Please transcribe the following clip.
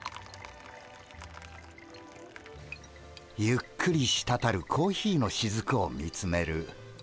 ゆっくりしたたるコーヒーのしずくを見つめる。